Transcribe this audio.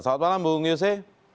selamat malam bung yose